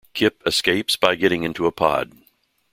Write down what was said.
Kyp escapes by getting into a pod.